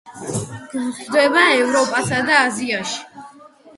გვხვდება ევროპასა და აზიაში.